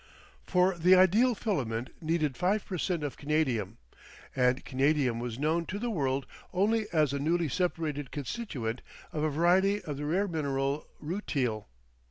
For the ideal filament needed five per cent. of canadium, and canadium was known to the world only as a newly separated constituent of a variety of the rare mineral rutile.